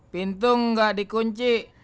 pintung gak dikunci